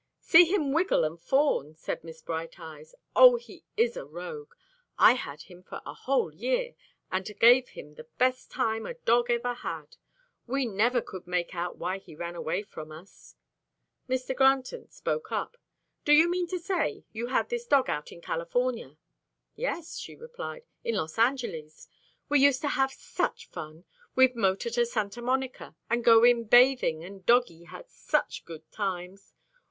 "See him wiggle and fawn," said Miss Bright Eyes. "Oh! he is a rogue. I had him for a whole year, and gave him the best time a dog ever had. We never could make out why he ran away from us." Mr. Granton spoke up. "Do you mean to say you had this dog out in California?" "Yes," she replied, "in Los Angeles. We used to have such fun. We'd motor to Santa Monica, and go in bathing, and doggie had such good times.